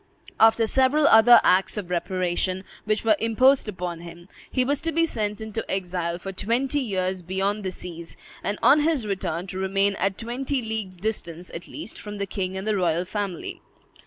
After several other acts of reparation which were imposed upon him, he was to be sent into exile for twenty years beyond the seas, and on his return to remain at twenty leagues' distance, at least, from the king and the royal family.